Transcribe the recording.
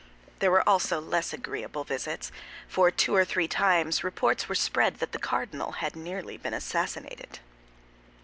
There were also less agreeable visits—for two or three times reports were spread that the cardinal had nearly been assassinated.